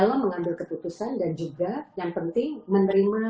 dalam mengambil keputusan dan juga yang menyebabkan perempuan berkelanjutan